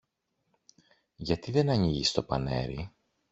Γιατί δεν ανοίγεις το πανέρι;